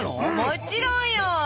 もちろんよ！